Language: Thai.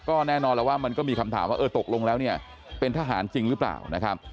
ก็แน่นอนแล้วว่ามันก็มีคำถามว่าเออตกลงแล้วเนี่ยเป็นทหารจริงหรือเปล่านะครับ